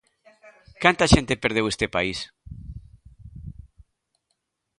¿Canta xente perdeu este país?